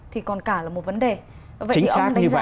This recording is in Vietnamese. thì còn cả là một vấn đề vậy thì ông đánh giá như thế nào